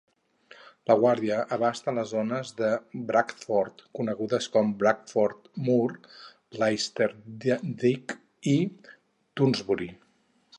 La guàrdia abasta les zones de Bradford conegudes com Bradford Moor, Laisterdyke i Thornbury.